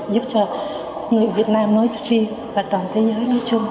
giúp cho người việt nam nói riêng và toàn thế giới